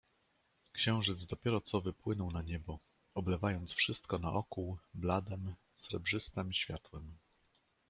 "Księżyc dopiero co wypłynął na niebo, oblewając wszystko naokół bladem, srebrzystem światłem."